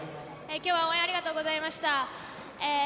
今日は応援ありがとうございました。